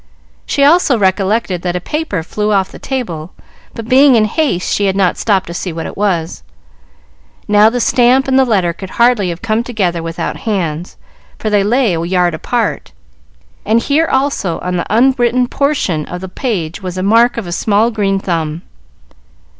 She also recollected that a paper flew off the table, but being in haste she had not stopped to see what it was. Now, the stamp and the letter could hardly have come together without hands, for they lay a yard apart, and here, also, on the unwritten portion of the page, was the mark of a small green thumb.